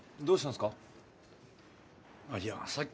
どうしたんすか？